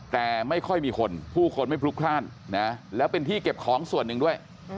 แต่ไม่ค่อยมีคนผู้คนไม่พลุกพลาดนะแล้วเป็นที่เก็บของส่วนหนึ่งด้วย